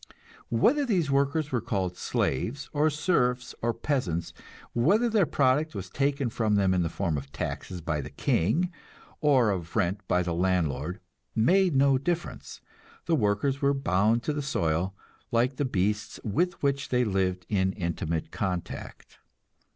Whether these workers were called slaves or serfs or peasants, whether their product was taken from them in the form of taxes by the king, or of rent by the landlord, made no difference; the workers were bound to the soil, like the beasts with which they lived in intimate contact.